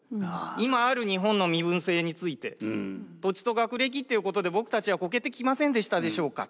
今ある日本の身分制について土地と学歴っていうことで僕たちはこけてきませんでしたでしょうか。